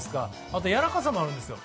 あとやわらかさもあるんですよ。